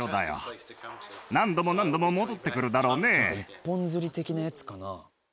一本釣り的なやつかな？